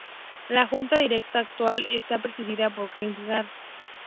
La junta directiva actual está presidida por King Harris.